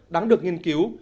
đáng được nghiên cứu